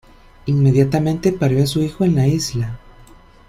Inmediatamente parió a su hijo en la isla.